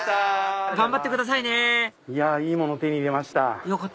頑張ってくださいねいいもの手に入れました。